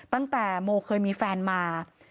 ตั้งแต่โมเคยมีแฟนมา